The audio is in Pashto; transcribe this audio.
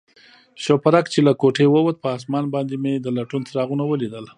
شوپرک چې له کوټې ووت، پر آسمان باندې مې د لټون څراغونه ولیدل.